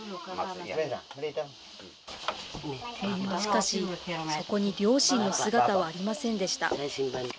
しかし、そこに両親の姿はありませんでした。